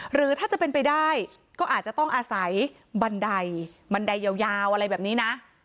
หรือถ้าจะเป็นไปได้ก็อาจจะต้องอาศัยบันไดบันไดยาวอะไรแบบนี้นะ